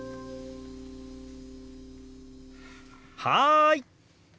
はい！